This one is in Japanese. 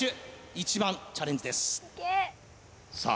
１番チャレンジですさあ